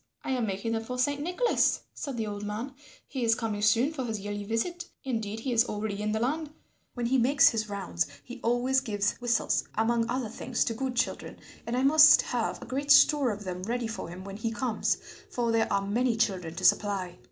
"I am making them for Saint Nicholas," said the old man; "he is coming soon for his yearly visit; indeed he is already in the land; when he makes his rounds he always gives whistles, among other things, to good children, and I must have a great store of them ready for him when he comes, for there are many children to supply."